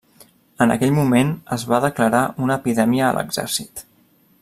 En aquell moment es va declarar una epidèmia a l'exèrcit.